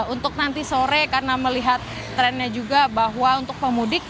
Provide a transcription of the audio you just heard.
untuk nanti sore karena melihat trennya juga bahwa untuk pemudik